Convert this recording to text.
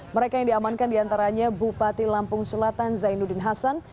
mereka yang diamankan diantaranya bupati lampung selatan zainuddin hasan